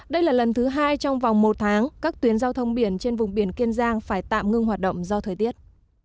đây là lần thứ hai trong vòng một tháng các tuyến giao thông biển trên vùng biển kiên giang phải tạm ngưng hoạt động do thời tiết